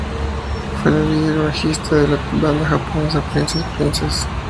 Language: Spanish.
Fue la líder y bajista de la banda japonesa, Princess Princess.